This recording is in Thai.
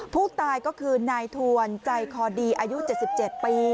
ผู้ตายก็คือนายทวนใจคอดีอายุ๗๗ปี